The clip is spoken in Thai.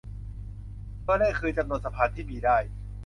ตัวเลขคือจำนวนสะพานที่มีได้